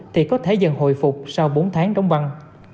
thì có thể dần hồi phục sau bốn tháng đóng băng